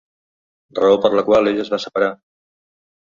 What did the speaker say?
Raó per la qual ella es va separar.